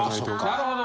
なるほど。